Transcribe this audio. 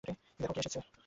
দেখো, কে এসেছে।